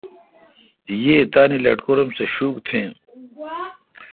یی تانی لٹکورو ام سہ شوک تیں۔